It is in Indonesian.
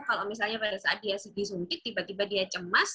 kalau misalnya pada saat dia sedih suntik tiba tiba dia cemas